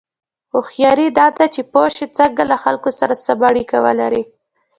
هوښیاري دا ده چې پوه شې څنګه له خلکو سره سمه اړیکه ولرې.